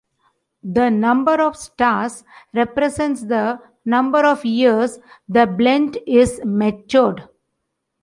The number of stars represents the number of years the blend is matured.